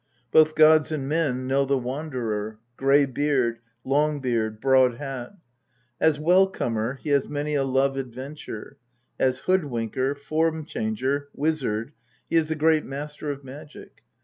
Both gods and men know the Wanderer, Grey beard, Long beard, Broad hat. As Well comer he has many a love adventure ; as Hoodwinker, Form changer, Wizard, he is the great master of magic.